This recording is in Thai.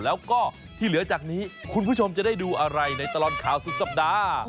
แล้วก็ที่เหลือจากนี้คุณผู้ชมจะได้ดูอะไรในตลอดข่าวสุดสัปดาห์